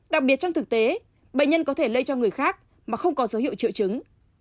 đặc biệt trong thực tế bệnh nhân có thể lây cho người khác mà không có dấu hiệu triệu chứng